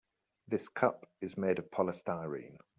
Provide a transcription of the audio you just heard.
This cup is made of polystyrene.